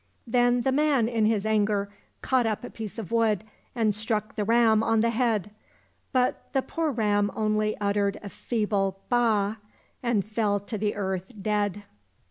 Then the man in his anger caught up a piece of wood and struck the ram on the head, but the poor ram only uttered a feeble baa ! and fell to the earth dead.